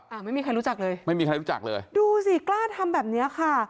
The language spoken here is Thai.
อ่าไม่มีใครรู้จักเลยไม่มีใครรู้จักเลยดูสิกล้าทำแบบเนี้ยค่ะ